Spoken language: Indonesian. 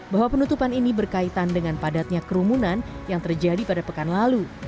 bahwa penutupan ini berkaitan dengan padatnya kerumunan yang terjadi pada pekan lalu